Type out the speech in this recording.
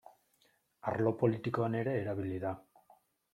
Arlo politikoan ere erabili da.